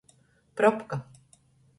Propka.